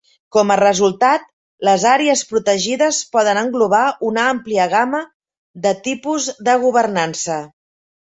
Com a resultat, les àrees protegides poden englobar una àmplia gamma de tipus de governança.